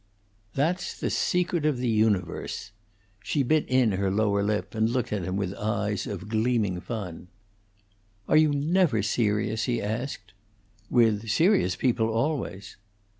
"That's the secret of the universe," She bit in her lower lip, and looked at him with eyes, of gleaming fun. "Are you never serious?" he asked. "With serious people always."